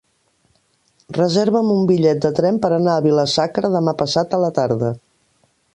Reserva'm un bitllet de tren per anar a Vila-sacra demà passat a la tarda.